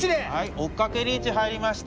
追っかけリーチ入りました。